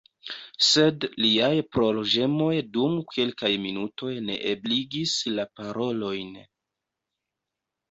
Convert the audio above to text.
Sed liaj plorĝemoj dum kelkaj minutoj neebligis la parolojn.